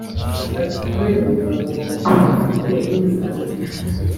Ati “Kubera umugabo wa mama afite undi mugore